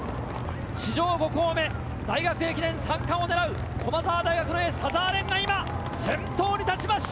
史上５校目、大学駅伝３冠をねらう駒澤大学のエース、田澤廉が今、先頭に立ちました。